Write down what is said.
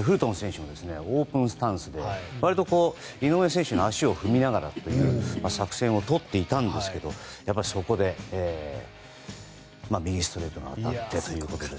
フルトン選手もオープンスタンスで割と井上選手の足を踏みながらという作戦をとっていたんですがそこで右ストレートが当たってということですね。